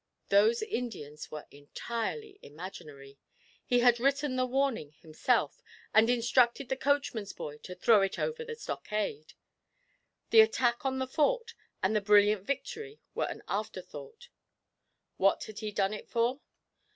Those Indians were entirely imaginary; he had written the warning himself, and instructed the coachman's boy to throw it over the stockade; the attack on the fort and the brilliant victory were an afterthought. What had he done it for?